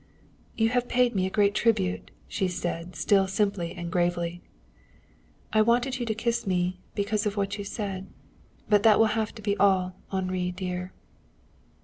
"You have paid me a great tribute," she said, still simply and gravely. "I wanted you to kiss me, because of what you said. But that will have to be all, Henri dear."